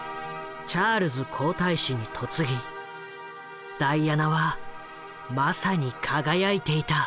チャールズ皇太子に嫁ぎダイアナはまさに輝いていた。